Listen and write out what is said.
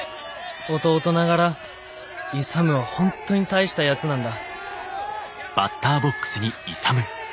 弟ながら勇は本当に大したやつなんだ」。